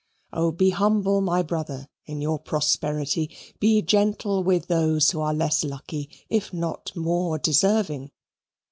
Oh, be humble, my brother, in your prosperity! Be gentle with those who are less lucky, if not more deserving.